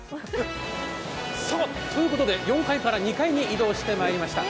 ということで４階から２階に移動してまいりました。